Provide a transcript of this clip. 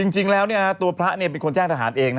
จริงแล้วตัวพระเป็นคนแจ้งทหารเองนะ